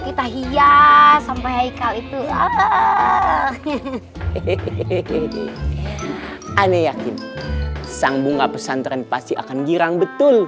kita hias sampai kali itu ah hehehe ane yakin sang bunga pesantren pasti akan girang betul